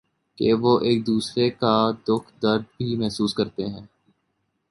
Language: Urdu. کہ وہ ایک دوسرے کا دکھ درد بھی محسوس کرتے ہیں ۔